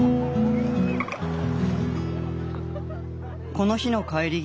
この日の帰り際